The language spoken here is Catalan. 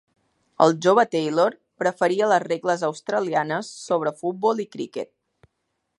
El jove Taylor preferia les regles australianes sobre futbol i criquet.